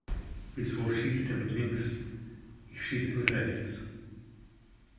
Wieso schießt der mit links? Ich schieße mit rechts.